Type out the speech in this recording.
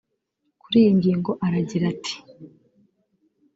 Kuri iyi ngingo aragira ati